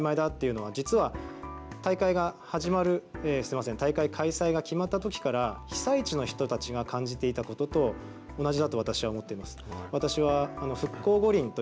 この今、われわれが意義があいまいだというのは実は、大会が大会開催が決まったときから被災地の人たちが感じていたことと同じだと私は思っています。